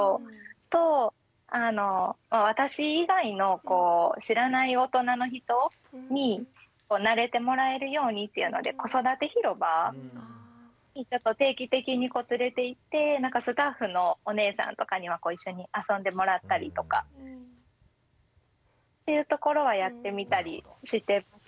と私以外の知らない大人の人に慣れてもらえるようにっていうので子育てひろばにちょっと定期的に連れていってスタッフのお姉さんとかには一緒に遊んでもらったりとかっていうところはやってみたりしてます。